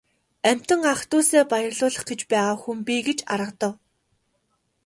Амьтан ах дүүсээ баярлуулах гэж байгаа хүн би гэж аргадав.